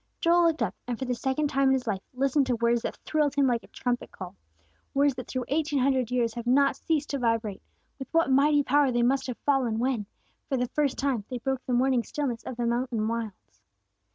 Joel looked up, and, for the second time in his life, listened to words that thrilled him like a trumpet call, words that through eighteen hundred years have not ceased to vibrate; with what mighty power they must have fallen when, for the first time, they broke the morning stillness of those mountain wilds!